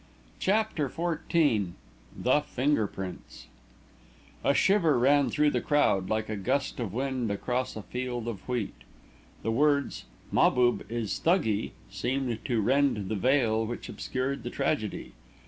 CHAPTER XIV THE FINGER PRINTS A shiver ran through the crowd, like a gust of wind across a field of wheat. The words, "Mahbub is Thuggee," seemed to rend the veil which obscured the tragedy.